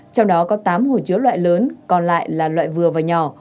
trong đó có tám hồ chứa loại lớn còn lại là loại vừa và nhỏ